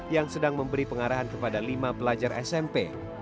yang sedang memberi pengarahan kepada lima pelajar smp